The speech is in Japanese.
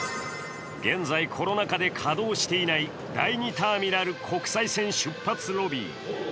現在、コロナ禍で稼働していない第２ターミナル国際線出発ロビー。